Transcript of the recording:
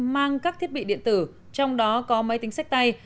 mang các thiết bị điện tử trong đó có máy tính sách tay